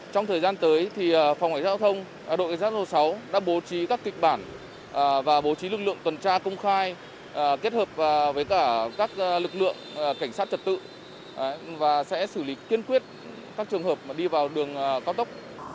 trong thời gian tới thì phòng hỏi giao thông đội giao thông số sáu đã bố trí các kịch bản và bố trí lực lượng tuần tra công khai kết hợp với các lực lượng cảnh sát trật tự và sẽ xử lý kiên quyết các trường hợp đi vào đường cao tốc